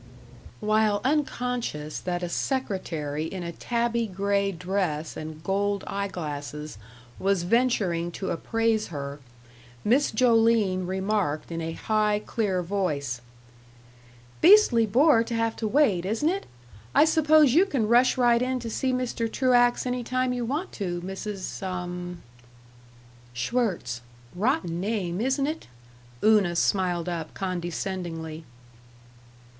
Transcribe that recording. While unconscious that a secretary in a tabby gray dress and gold eye glasses was venturing to appraise her, Miss Joline remarked, in a high, clear voice: "Beastly bore to have to wait, isn't it! I suppose you can rush right in to see Mr. Truax any time you want to, Mrs. Ummmmm." "Schwirtz. Rotten name, isn't it?" Una smiled up condescendingly.